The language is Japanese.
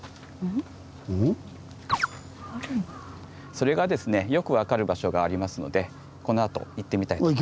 それがですねよく分かる場所がありますのでこのあと行ってみたいと思います。